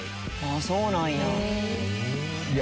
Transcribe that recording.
そうなんや。